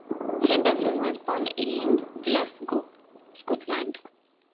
Henderson was born in Glasgow, Scotland.